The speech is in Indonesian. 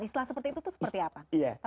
istilah seperti itu tuh seperti apa